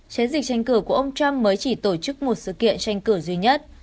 chiến dịch tranh cử của ông trump mới chỉ tổ chức một sự kiện tranh cử duy nhất